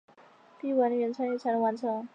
必须管理员参与才能完成。